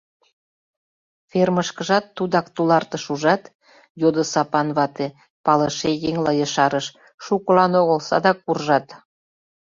— Фермышкыжат тудак тулартыш, ужат? — йодо Сапан вате, палыше еҥла ешарыш: — Шукылан огыл, садак куржат.